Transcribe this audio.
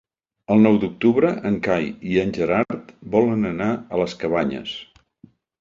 El nou d'octubre en Cai i en Gerard volen anar a les Cabanyes.